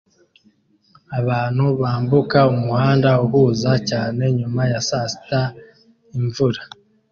Abantu bambuka umuhanda uhuze cyane nyuma ya saa sita imvura